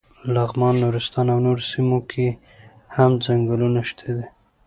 لغمان، نورستان او نورو سیمو کې هم څنګلونه شته دي.